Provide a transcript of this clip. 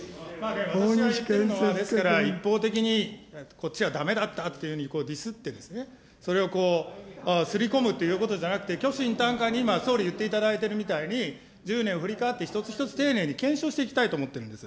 ですから、一方的にこっちはだめだったっていうふうにディスってですね、それをこう、刷り込むということじゃなくて、虚心坦懐に総理言っていただいてるみたいに、１０年振り返って、一つ一つ丁寧に検証していきたいと思ってるんです。